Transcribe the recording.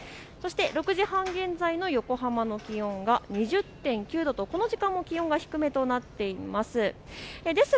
６時半現在の横浜の気温は２０．９度とこの時間も気温が低めとなっています。